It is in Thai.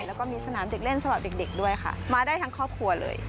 แล้วก็มีสนามเด็กเล่นสำหรับเด็กด้วยค่ะมาได้ทั้งครอบครัวเลย